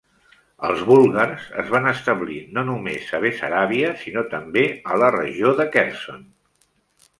Els búlgars es van establir no només a Bessaràbia, sinó també a la regió de Kherson.